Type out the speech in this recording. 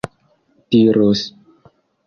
diros